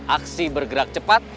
aksi bergerak cepat